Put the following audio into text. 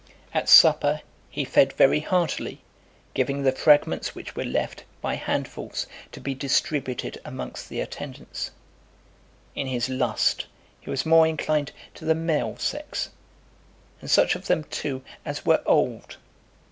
At supper, he fed very heartily, giving the fragments which were left, by handfuls, to be distributed amongst the attendants. In his lust, he was more inclined to the male sex, and such of them too as were old.